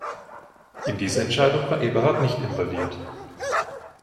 In diese Entscheidung war Eberhard nicht involviert.